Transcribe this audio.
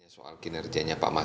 soal kinerjanya pak masa